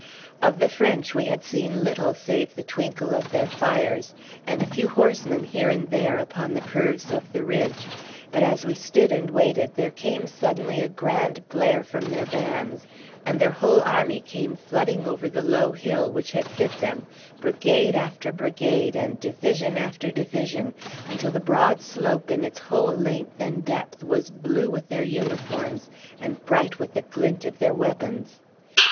Of the French we had seen little save the twinkle of their fires, and a few horsemen here and there upon the curves of the ridge; but as we stood and waited there came suddenly a grand blare from their bands, and their whole army came flooding over the low hill which had hid them, brigade after brigade and division after division, until the broad slope in its whole length and depth was blue with their uniforms and bright with the glint of their weapons.